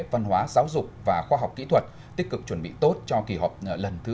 văn hóa giáo dục và khoa học kỹ thuật tích cực chuẩn bị tốt cho kỳ họp lần thứ ba mươi